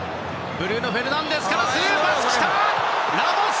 ブルーノ・フェルナンデスからスルーパス！